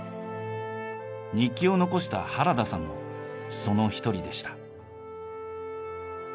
日記を残した原田さんもその一人でした。